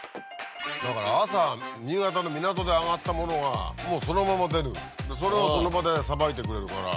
だから朝新潟の港で揚がったものがもうそのまま出るそれをその場でさばいてくれるから。